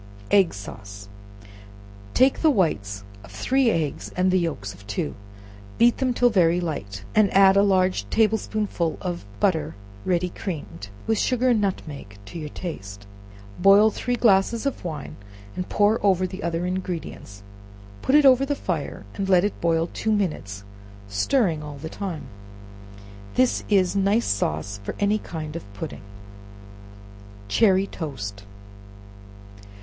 Egg Sauce. Take the whites of three eggs and the yelks of two, beat them till very light, and add a large table spoonful of butter ready creamed, with sugar and nutmeg to your taste; boil three glasses of wine, and pour over the other ingredients, put it over the fire, and let it boil two minutes, stirring all the time. This is nice sauce for any kind of pudding. Cherry Toast.